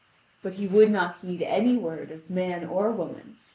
But he would not heed any word of man or woman.